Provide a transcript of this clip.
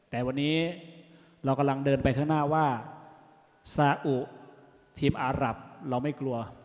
แต่วันนี้เรากำลังเดินไปข้างหน้าว่าซาอุทีมอารับเราไม่กลัว